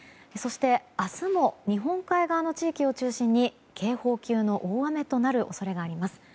そして明日も日本海側の地域を中心に警報級の大雨となる恐れがあります。